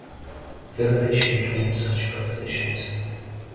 The relation between such propositions.